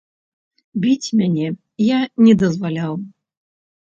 Біць мяне я не дазваляў.